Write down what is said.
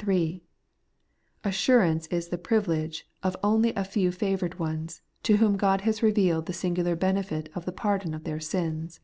(3) Assurance is the privilege of only a few favoured ones, to whom God has revealed the singular benefit of the pardon of their sins.